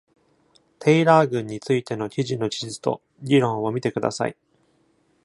テイラー郡についての記事の地図と議論を見てください。